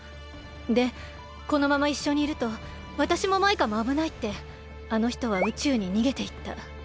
でこのままいっしょにいるとわたしもマイカもあぶないってあのひとは宇宙ににげていった。